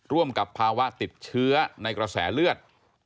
ร่วมกับภาวะติดเชื้อในกระแสเลือด